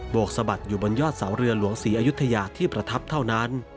วกสะบัดอยู่บนยอดเสาเรือหลวงศรีอยุธยาที่ประทับเท่านั้น